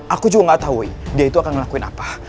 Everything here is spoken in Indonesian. aku juga gak tahu dia itu akan ngelakuin apa